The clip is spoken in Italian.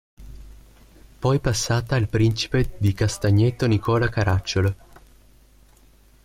Poi passata al principe di Castagneto Nicola Caracciolo.